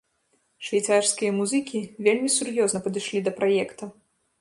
Швейцарскія музыкі вельмі сур'ёзна падышлі да праекта.